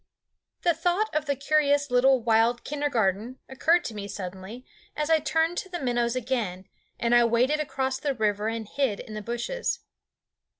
The thought of the curious little wild kindergarten occurred to me suddenly as I turned to the minnows again, and I waded across the river and hid in the bushes.